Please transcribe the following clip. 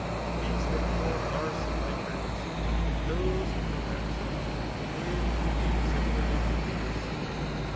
These, therefore, are simply friends ; but those from accident, and from bemg assimilated to these.